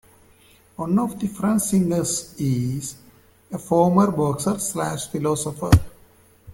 One of the front singers is a former boxer-slash-philosopher.